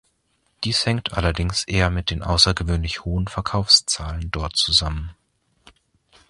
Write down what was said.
Dies hängt allerdings eher mit den außergewöhnlich hohen Verkaufszahlen dort zusammen.